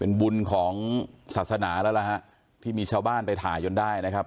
เป็นบุญของศาสนาแล้วนะฮะที่มีชาวบ้านไปถ่ายจนได้นะครับ